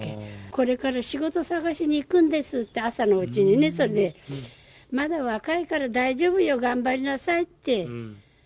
これから仕事探しに行くんですって、朝のうちにね、それで、まだ若いから大丈夫よ、頑張りなさいって。